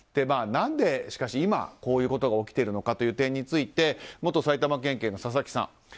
何で今、こういうことが起きているのかという点について元埼玉県警の佐々木さん。